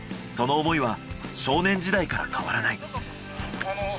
その思いは少年時代から変わらない。